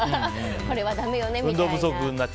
これはダメよねみたいな。